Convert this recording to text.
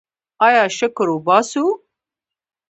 آیا شکر وباسو؟